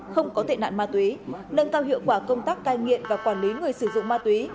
không có tệ nạn ma túy nâng cao hiệu quả công tác cai nghiện và quản lý người sử dụng ma túy